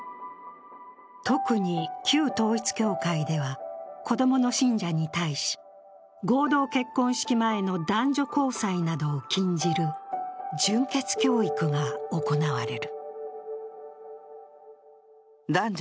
特に旧統一教会では子供の信者に対し、合同結婚式前の男女交際などを禁じる純潔教育が行われる。